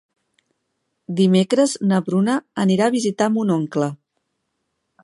Dimecres na Bruna anirà a visitar mon oncle.